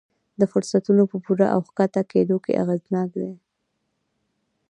د فرصتونو په پورته او ښکته کېدو کې اغېزناک دي.